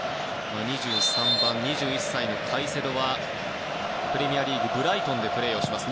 ２３番２１歳のカイセドはプレミアリーグブライトンでプレーします。